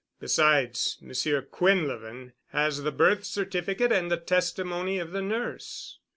Besides, Monsieur Quinlevin has the birth certificate and the testimony of the nurse."